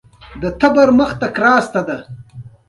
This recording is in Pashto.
تر څو د تیښتې په وخت کې بیرته ونیول شي.